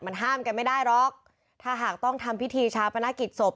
มันห้ามกันไม่ได้หรอกถ้าหากต้องทำพิธีชาปนกิจศพ